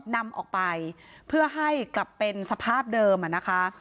นำออกไปเพื่อให้กลับเป็นสภาพเดิมอะนะคะ